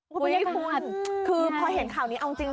คุณปุ้ยคุณคือพอเห็นข่าวนี้เอาจริง